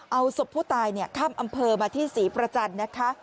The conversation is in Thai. เอาศพผู้ตายข้ามอำเภอมาที่ศรีประจันทร์นะคะ